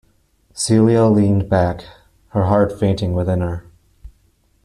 Celia leaned back, her heart fainting within her.